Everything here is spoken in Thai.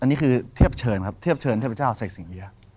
อันนี้คือเทพเชิญครับเทพเชิญเทพเจ้าเสกสิงเยีย